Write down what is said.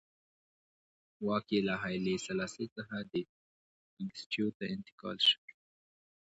واک له هایلي سلاسي څخه منګیسټیو ته انتقال شو.